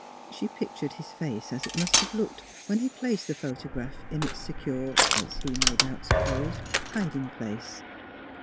She pictured his face as it must have looked when he placed the photograph in its secure (as he no doubt supposed) hiding place.